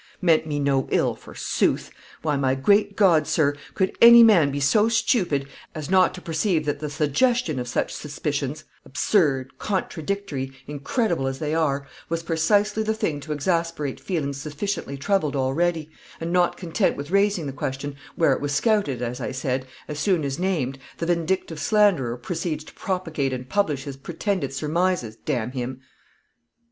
Meant me no ill, forsooth! why, my great God, sir, could any man be so stupid as not to perceive that the suggestion of such suspicions absurd, contradictory, incredible as they were was precisely the thing to exasperate feelings sufficiently troubled already, and not content with raising the question, where it was scouted, as I said, as soon as named, the vindictive slanderer proceeds to propagate and publish his pretended surmises d n him."